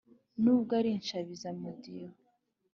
n’ubwo ari inshabizamudiho.